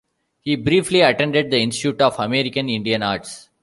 He briefly attended the Institute of American Indian Arts.